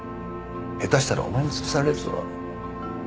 下手したらお前もつぶされるぞ。